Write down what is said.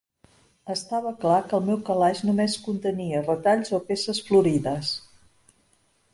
Estava clar que el meu calaix només contenia retalls o peces florides.